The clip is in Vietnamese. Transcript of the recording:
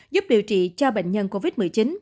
giúp điều trị cho bệnh nhân covid một mươi chín